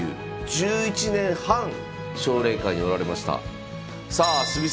１１年半奨励会におられました。